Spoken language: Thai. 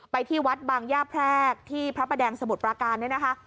ที่วัดบางย่าแพรกที่พระประแดงสมุทรปราการเนี่ยนะคะ